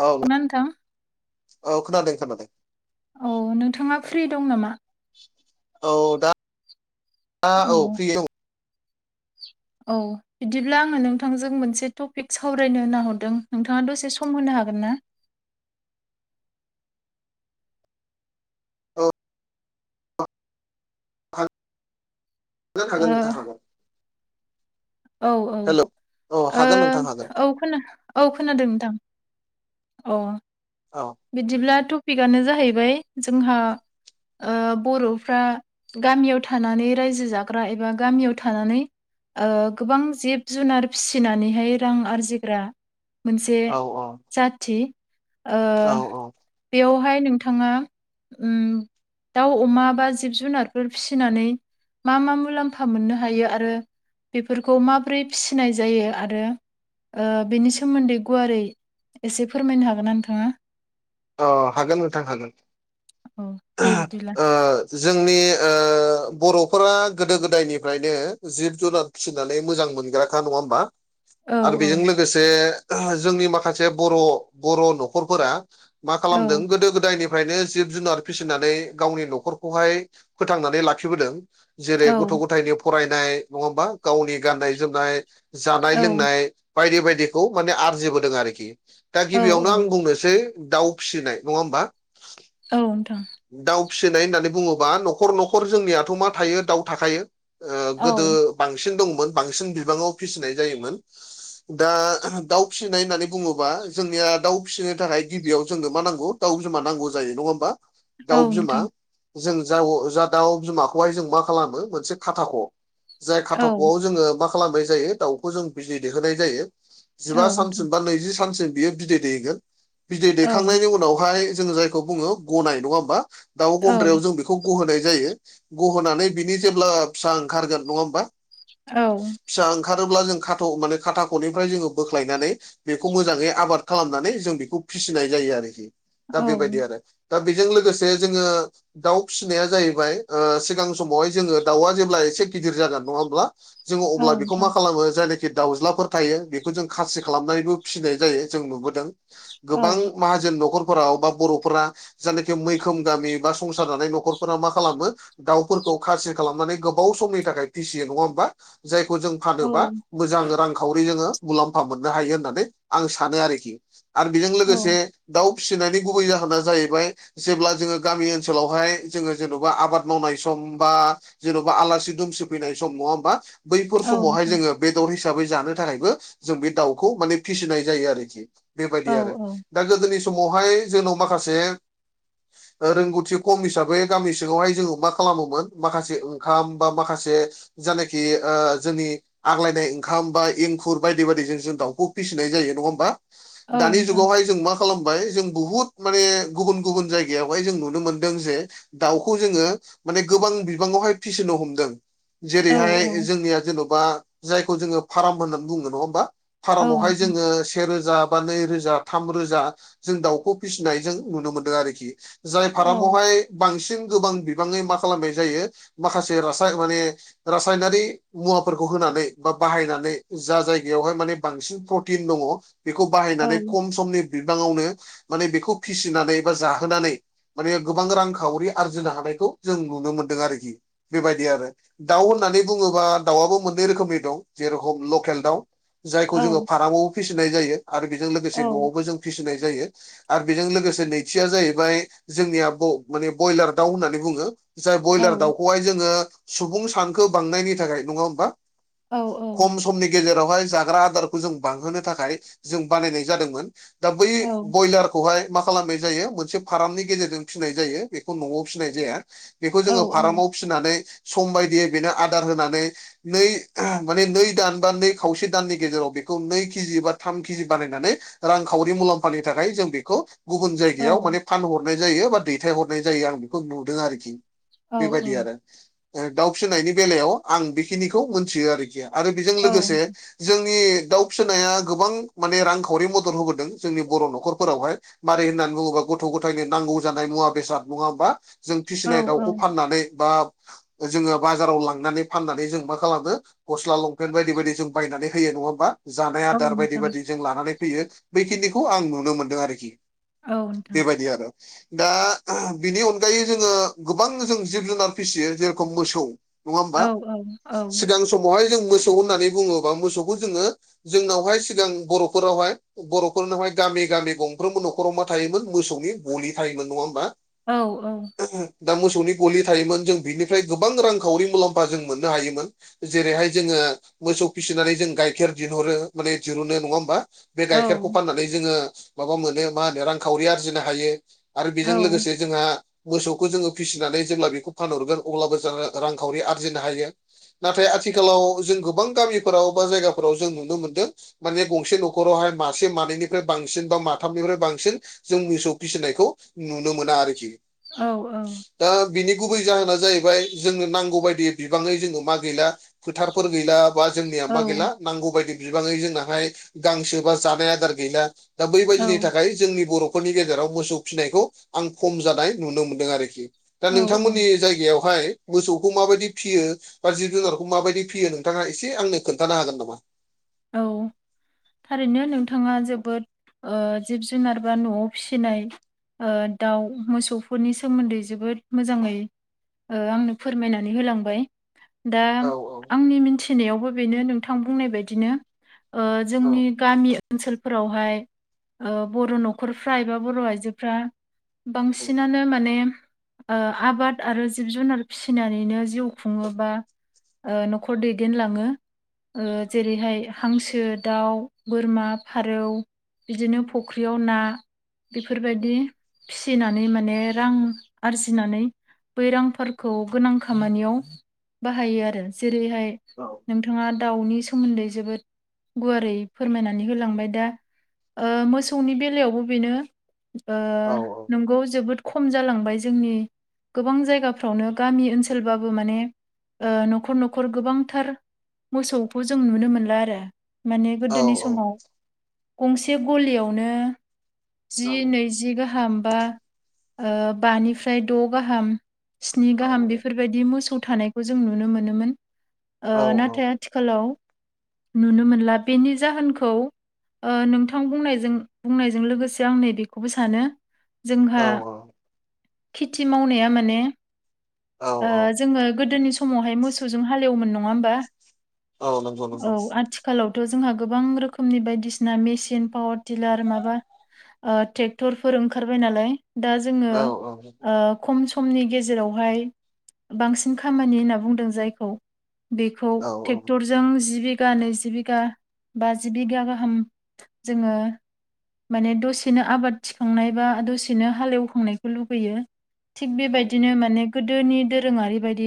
औ ना नोंथां औ खोनादों खोनादों। औ नोंथाङा फ्रि दं नामा? औ दा औ फ्रि औ। औ बिदिब्ला आङो नोंथांजों मोनसे टपिक सावरायनो होनना हरदों नोंथाङा दसे सम होनो हागोन ना? औ। हा गोन ओ हागोन नोंथां हागोन। औ औ हेल' औ ओ हागोन नोंथां हागोन औ खोना औ खोनादों नोंथां। औ। औ। बिदिब्ला टपिकआनो जाहैबाय जोंहा ओ बर'फ्रा गामियाव थानानै रायजो जाग्रा एबा गामियाव थानानै ओ गोबां जिब जुनार फिसिनानैहाय रां आरजिग्रा मोनसे औ औ जाथि ओ औ औ बेवहाय नोंथाङा ओम दाउ अमा बा जिब जुनारफोर फिसिनानै मा मा मुलाम्फा मोननो हायो आरो बेफोरखौ माबोरै फिसिनाय जायो आरो ओ बेनि सोमोन्दै गुवारै एसे फोरमायनो हागोन ना नोंथाङा? अ हागोन नोंथां हागोन। औ दे बिदिब्ला। ओ जोंनि ओ बर'फोरा गोदो गोदायनिफ्रायनो जिब जुनार फिसिनानै मोजां मोनग्राखा नङा होमबा? औ आरो औ बेजों लोगोसे जोंनि माखासे बर' बर' न'खरफोरा मा खालामदों औ गोदो गोदायनि फ्रायनो जिब जुनार फिसिनानै गावनि न'खरखौहाय फोथांनानै लाखिबोदों। जेरै औ गथ' गथायनि फरायनाय नङा होमबा गावनि गाननाय जोमनाय जानाय औ लोंनाय बायदि बायदिखौ माने आरजिबोदों आरोखि दा औ गिबियावनो औ आं बुंनोसै दाउ फिसिनाय नङा होमबा? औ नोंथां। दाउ फिसिनाय होननानै बुङोबा न'खर न'खर जोंनियाथ' मा थायो दाउ थाखायो ओ गोदो औ बांसिन दंमोन बांसिन बिबाङाव फिसिनाय जायोमोन दा दाउ फिसिनाय होननानै बुङोबा जोंनिया दाउ फिसिनो थाखाय गिबियाव जोंनो मा नांगौ दाउ बिमा नांगौ जायो नङा होमबा? औ दाउ बिमा नोंथां जों जा अ जा दाउ बिमाखौहाय जों मा खालामो मोनसे खाथाख' जाय औ खाथाख'आव जोङो मा खालामनाय जायो दाउखौ जों बिदै दैहोनाय जायो औ जिबा नोंथां सानसिम बा नैजि सानसिम बियो बिदै दैगोन बिदै औ दैखांनायनि उन उनावहाय जों जायखौ बुङो ग'नाय नङा होमबा दाउ औ गन्द्रायाव जों बेखौ गहोनाय जायो गहोनानै बिनि जेब्ला फिसा ओंखारगोन नङा होमबा? औ फिसा ओंखारोब्ला जों खाथ' माने खाथाख'निफ्राय जोङो बोख्लायनानै बेखौ मोजाङै आबाद खालामनानै जों बेखौ फिसिनाय जायो आरोखि। दा औ बेबायदि आरो दा बेजों लोगोसे जोङो दाव फिसिनाया जाहैबाय ओ सिगां समावहाय जोङो दाउआ जेब्ला एसे गिदिर जागोन नङा होमब्ला? जोङो औ अब्ला बेखौ मा नोंथां खालामो जायनाखि दाउज्लाफोर थायो बेखौ जों खासि खालामनानैबो फिनाय जायो जों नुबोदों औ गोबां माहोन न'खरफोराव बा बर'फोरा जायनाखि मै खोम गामि बा संसार जानाय न'खरफोरा मा खालामो दावफोरखौ खासि खालामनानै गोबाव समनि थाखाय फिसियो नङा होमबा? जायखौ जों फानोबा औ मोजां रांखावरि जोङो मुलाम्फा मोननो हायो होननानै आं सानो आरोखि आरो बेजों औ लोगोसे दाव फिनायनि गुबै जाहोना जाहैबाय जेब्ला जोङो गामि ओनसोलावहाय जोङो जेन'बा आबाद मावनाय सम बा जेन'बा आलासि दुमसि फैनाय सम नङा होमबा बैफोर औ समावहाय नोंथां जोङो बेदर हिसाबै जानो थाखायबो जों बे दाउखौ माने फिसिनाय जायो आरोखि औ बेबायदि आरो। औ दा गोदोनि समावहाय जोंनाव माखासे रोंगौथि खम हिसाबै गामि सिङावहाय जोङो मा खालामोमोन माखासे ओंखाम बा माखासे जायनाखि ओ जोंनि आग्लायनाय ओंखाम बा एंखुर बायदि बायदिजों जों दावखौ फिसिनाय जायो नङा होमबा? औ दानि नोंथां जुगावहाय जों मा खालामबाय जों बुहुत माने गुबुन गुबुन जायगायावहाय जों नुनो मोनदों जे दावखौ जोङो माने गोबां बिबाङावहाय फिसिनो हमदों। औ जेरैहाय जोंनिया जेन'बा जायखौ जोङो फार्म होननानै बुङो नङा होमबा? औ फार्मवहाय नोंथां जोङो सेेरोजा बा नै रोजा थाम रोजा जों दाउखौ फिसिनाय जों नुनो मोनदों आरोखि। जाय औ फार्मावहाय बांसिन गोबां बिबाङै मा खालामनाय जायो माखासे रासाय माने रासायनारि मुवाफोरखौ होनानै बा बाहायनानै जा जायगायावहाय माने बांसिन प्रटिन दङ बेखौ औ बाहायनानै खम समनि बिबाङावनो माने बेखौ फिसिनानै जाहोनानै माने गोबां रांखावरि आरजिनो हानायखौ जों नुनो मोनदों आरोखि। बेबायदि आरो। दाव होननानै बुङोबा दावआबो मोननै रोखोमनि दं जेरेखम लकेल दाउ जायखौ औ जोङो फार्मावबो फिसिनाय जायो आरो बेजों लोगोसे औ न'आवबो जों फिसिनाय जायो। आरो बेजों लोगोसे नैथिया जाहैबाय जोंनिया माने बयलार दाव होननानै बुङो। जाय औ ब्रयलार दावखौहाय जोङो सुबुं सानखो बांनायनि थाखाय नङा होमबा? औ औ खम समनि गेजेरावहाय जाग्रा आदारखौ जों बांहोनो थाखाय जों बानायनाय जादोंमोन। दा बै औ बयलारखौहाय मा खालाम नाय जायो मोनसे फार्मनि गेजेरजों फिनाय जायो बेखौ न'आव फिनाय जाया बेखौ औ जोङो फार्माव फिनानै सम बायदियै बेनो आदार होनानै नै माने नै दान बा नै खावसे दाननि गेजेराव बेखौ नै केजि बा थाम केजि बानायनानै रांखावरि मुलाम्फानि थाखाय जों बेखौ गुबुन जा बेयाव माने फानहरनाय जायो बा दैथाय हरनाय जायो आं बेखौ नुदों आरोखि। बेबायदि आरो दाउ फिसिनायनि बेलायाव आं बेखिनिखौ मोनथियो आरोखि। आरो बेजों औ लोगोसे जोंनि दाउ फिसिनाया गोबां माने रांखावरि मदद होबोदों जोंनि बर' न'खरफोरावहाय मारै होननानै बुङोबा गथ' गथायनो नांगौ जानाय मुवा बेसाद नङा होमबा? जों औ फिसिनाय औ दाउखौ फाननानै बा जोङो बाजाराव लांनानै फाननानै जों मा खालामो गस्ला लंपेन्ट बायदि बायदि जों बायनानै होयो नङा होमबा? जानाय औ आदार बायदि नोंथां बायदि जों लानानै फैयो बैखिनिखौ आं नुनो मोनदों आरोखि। औ नोंथां बेबदिया आरो। दा बिनि अनगायै जोङो गोबां जों जिब जुनार फिसियो जेरखम मोसौ नङा ओमबा औ औ औ सिगां समावहाय जों मोसौ होननानै बुङोबा मोसौखौ जोङो जोंनावहाय सिगां बर'फोरावहाय बर'फोरनावहाय गामि गामि गंफ्रोमबो न'खराव मा थायोमोन मोसौनि गलि थायोमोन नङा होमबा? औ औ दा मोसौनि गलि थायोमोन जों बिनिफ्राय गोबां रांखावरि मुलाम्फा जों मोननो हायोमोन। जेरैहाय जोङो मोसौ फिसिनानै जों गाइखेर दिहरो माने दिरुनो नङा होमबा? बे औ गाइखेरखौ फाननानै जोङो माबा मोनो मा होनो रांखावरि आरजिनो हायो आरो बेजों लोगोसे जोंहा मोसौखौ जोङो फिसिनानै जेब्ला बेखौ फानहरगोन अब्लाबो जों रांखावरि आरजिनो हायो। नाथाय आथिखालाव जों गोबां गामिफोराव बा जायगाफोराव जों नुनो मोनदों माने गंसे न'खरावहाय मासे मानैनिफ्राय बांसिन बा माथामनिफ्राय बांसिन जों मोसौ फिसिनायखौ नुनो मोना आरोखि। औ औ दा बिनि गुबै जाहोना जाहैबाय जोंनो नांगौ बायदि बिबाङै जोङो मा गैला फोथारफोर गैला बा जोंनिया मा गैला नांगौ बायदि बिबाङै जोंनाहाय गांसो बा जानाय आदार गैला दा औ बैबायदिनि थाखाय जोंनि बर'फोरनि गेजेराव मोसौ फिसिनायखौ आं खम जानाय नुनो मोनदों आरोखि। दा औ नोंथांमोननि जायगायावहाय मोसौखौ माबायदि फियो बा जिब जुनारखौ माबायदि फियो नोंथाङा एसे आंनो खोन्थानो हागोन नामा? औ थारैनो नोंथाङा जोबोद ओ जिब जुनार बा न'आव फिसिनाय ओ दाउ मोसौफोरनि सोमोन्दै जोबोद मोजाङै ओ आंनो फोरमायनानै होलांबाय दा औ औ आंनि मिथिनायावबो बेनो नोंथां बुंनाय बायदिनो ओ औ जोंनि गामि ओनसोल फोरावहाय ओ बर' न'खरफ्रा एबा बर' आइजोफ्रा बांसिनानो माने आबाद आरो जिब जुनार फिसिनानैनो जिउ खुङोबा ओ न'खर दैदेनलाङो ओ जेरैहाय हांसो दाउ बोरमा फारौ बिदिनो फुख्रियाव ना बेफोरबायदि फिसिना माने रां आरजिनानै बै रांफोरखौ गोनां खामानियाव बाहायो आरो जेरैहाय नोंथाङा दाउनि सोमोन्दै जोबोद गुवारै फोरमायनानै होलांबाय दा ओ मोसौनि बेलायावबो बेनो ओ औ नोंगौ जोबोद खम जालांबाय जोंनि गोबां जायगाफ्रावनो गामि ओनसोलबाबो माने ओ न'खर न'खर गोबांथार मोसौखौ जों नुनो मोनला आरो। माने औ गोदोनि समाव गंसे गलियावनो जि औ नैजि गाहाम ओ बा बानिफ्राय द' गाहाम स्नि गाहाम बेफोरबायदि मोसौ थानायखौ जों नुनो मोनोमोन औ ओ नाथाय आ थिखालाव नुनो मोनला बेनि जाहोनखौ ओ नोंथां बुंनायजों बुंनायजों लोगोसे आं नै बेखौबो सानो जोंहा औ खेथि मावनाया माने औ ओ औ जोङो गोदोनि समावहाय मोसौजों हालेवोमोन नङा ओमबा? औ नंगौ नं औ आथिखालावथ' जोंहा गोबां रोखोमनि बायदिसिना मेसिन पावार टिलार माबा ओ ट्रेक्टरफोर ओंखारबाय नालाय दा औ जोङो ओ खम समनि गेजेरावहाय बांसिन खामानि होनना बुंदों जायखौ बेखौ औ ट्रेक्टरजों जिबि बिघा, नैजि बिघा, बाजि बिघा गाहाम जोङो माने दसेनो आबाद थिखांनाय बा दसेनो हालेवखांनायखौ लुबैयो। थिग औ बेबायदिनो माने गोदोनि दोरोङारि बायदि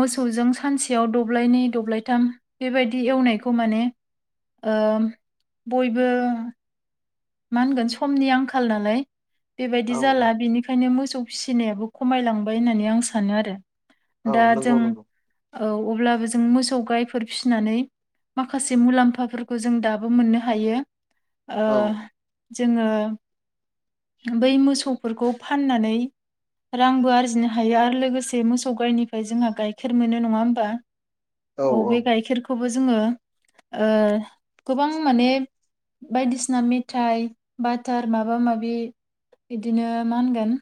मोसौजों सानसेयाव दब्लायनै दब्लायथाम बेबायदि एवनायखौ माने ओ बयबो मा होनगोन समनि आंखाल नालाय औ बेबायदि जाला औ बिनिखायनो मोसौ फिसिनायाबो खमायलांबाय होननानै आं सानो आरो औ दा नंगौ जों नंगौ औ अब्लाबो जों मोसौ गाइफोर फिनानै माखासे मुलाम्फाफोरखौ जों दाबो मोननो हायो। औ जोङो बै मोसौफोरखौ फाननानै रांबो आरजिनो हायो आरो लोगोसे मोसौ गायनिफ्राय जोंहा गाइखेर मोनो नङा होमबा। औ बे गायखेरखौ खौबो जोङो ओ गोबां माने बायदिसिना मेथाइ बाटार माबा माबि बिदिनो मा होनगोन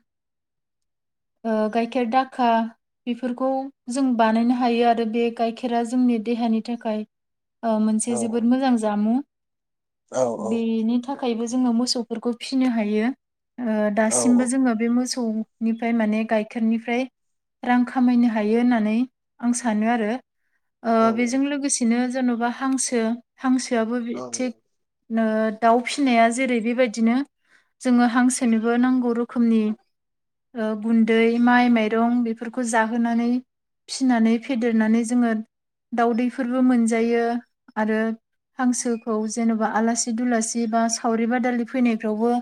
गाइखेर दाखा बेफोरखौ जों बानायनो हायो आरो बे गाइखेरा जोंनि देहानि थाखाय औ मोनसे जोबोद मोजां जामु। औ औ बेनि थाखायबो जोङो मोसौफोरखौ फिनो हायो। औ औ दासिमबो जोङो बे मोसौनिफ्राय माने गाइखेरनिफ्राय रां खामायनो हायो होननानै आं सानो आरो। ओ औ बेजों लोगोसेनो जेन'बा हांसो हांसोआबो थिग ओ दाउ फिनाया जेरै बेबायदिनो। जोङो हांसोनोबो नांगौ रोखोमनि गुन्दै माइ माइरं बेफोरखौ जाहोनानै फिनानै फेदेरनानै जोङो दाउदैफोरबो मोनजायो आरो हांसोखौ जेन'बा आलासि दुलासि बा सावरि बादालि फैनायफ्रावबो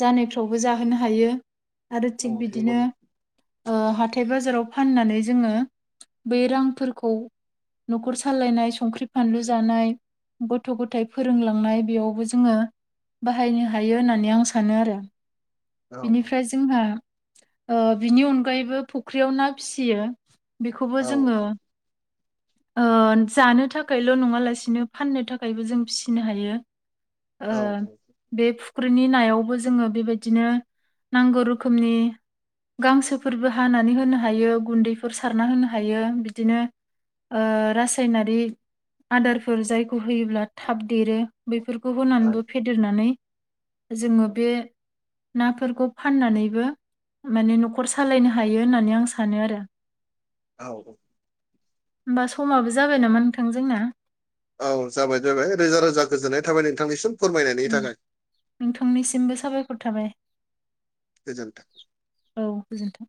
जानायफ्रावबो जाहोनो हायो आरो थिग नंगौ बिदिनो नंगौ हाथाय बाजाराव फाननानै जोङो बै रांफोरखौ न'खर सालायनाय संख्रि फानलु जानाय गथ' गथाइ फोरोंलांनाय बेयावबो जोङो बाहायनो हायो होननानै आं सानो आरो। औ। बिनिफ्राय औ जोंहा बिनि अनगायैबो फुख्रियाव ना फिसियो। बेखौबो जोङो ओ जानो थाखायल' नङा लासिनो फाननो थाखायबो जों फिसिनो हायो। ओ औ। बे फुख्रिनि नायावबो जोङो बेबायदिनो नांगौ रोखोमनि गांसोफोरबो हानानै होनो हायो गुन्दैफोर सारना होनो हायो बिदिनो ओ रासायनारि आदारफोर जायखौ होयोब्ला थाब देरो बेफोरखौ औ होनानैबो फेदेरनानै जोङो बे नाफोरखौ फाननानैबो माने न'खर सालायनो हायो होननानै आं सानो आरो। औ होमबा समाबो जाबाय नामा नोंथां जोंना? औ जाबाय जाबाय रोजा रोजा गोजोननाय थाबाय नोंथांनिसिम फोरमायनायनि उम, थाखाय। नोंथांनिसिमबो साबायखर थाबाय। गोजोनथों। औ गोजोनथों।